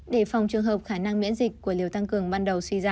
để phòng trường hợp khả năng miễn dịch của liều tăng cường ban đầu suy ra